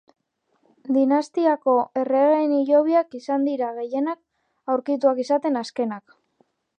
Dinastiako erregeen hilobiak izan dira, gehienak, aurkituak izaten azkenak.